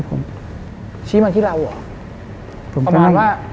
พอมายว่า